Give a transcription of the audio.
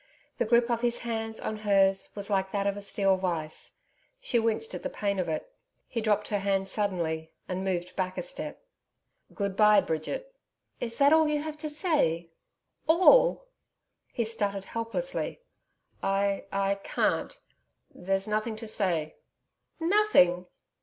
The grip of his hands on hers was like that of a steel vice; she winced at the pain of it. He dropped her hands suddenly, and moved back a step. 'Good bye Bridget.' 'Is that all you have to say? All?' He stuttered, helplessly. 'I I can't.... There's nothing to say.' 'Nothing!